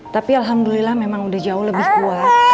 tapi alhamdulillah memang udah jauh lebih kuat